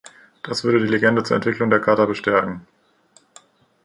Das würde die Legende zur Entwicklung der Kata bestärken.